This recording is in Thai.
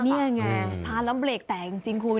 นี่ไงทานแล้วเบรกแตกจริงคุณ